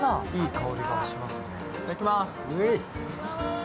いい香りがします。